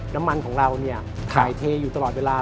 น้ำมันของเราเนี่ยถ่ายเทอยู่ตลอดเวลา